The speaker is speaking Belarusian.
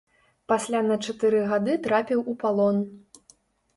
Пасля на чатыры гады трапіў у палон.